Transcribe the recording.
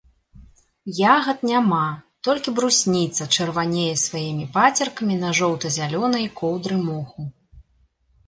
Ягад няма, толькі брусніца чырванее сваімі пацеркамі на жоўта-зялёнай коўдры моху.